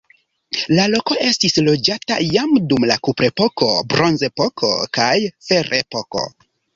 La loko estis loĝata jam dum la kuprepoko, bronzepoko kaj ferepoko.